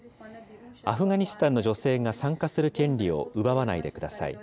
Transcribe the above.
アフガニスタンの女性が参加する権利を奪わないでください。